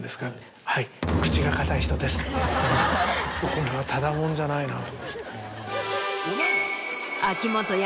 これはただ者じゃないなと思いました。